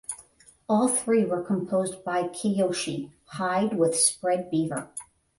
All three were composed by Kiyoshi (hide with Spread Beaver).